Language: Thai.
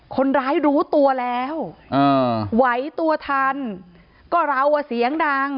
คนร้ายรู้ตัวแล้วอ่าไหวตัวทันก็เราอ่ะเสียงดัง